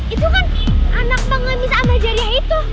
itu kan anak pengemis sama jariah itu